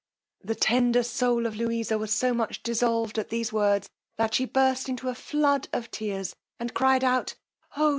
The tender soul of Louisa was so much dissolved at these words, that she burst into a flood of tears, and cried out, Oh!